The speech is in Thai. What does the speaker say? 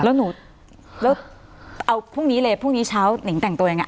แล้วหนูแล้วเอาพรุ่งนี้เลยพรุ่งนี้เช้าหนิงแต่งตัวยังไง